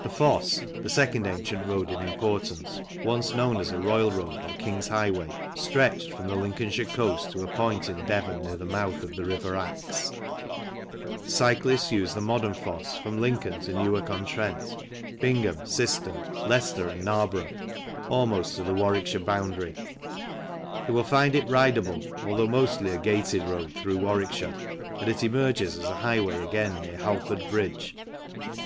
The Fosse, the second ancient road in importance, once known as a Royal Road or King's Highway, stretched from the Lincolnshire coast to a point in Devon near the mouth of the river Axe. Cyclists use the modern Fosse from Lincoln to Newark on Trent, Bingham, Syston, Leicester, and Narborough, almost to the Warwickshire boundary. They will find it ride able, although mostly a gated road through Warwick shire, and it emerges as a highway again near Halford Bridge.